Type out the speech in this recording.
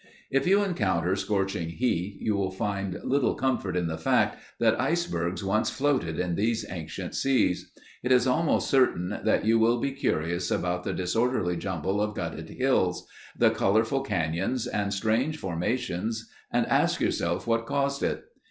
If you encounter scorching heat you will find little comfort in the fact that icebergs once floated in those ancient seas. It is almost certain that you will be curious about the disorderly jumble of gutted hills; the colorful canyons and strange formations and ask yourself what caused it.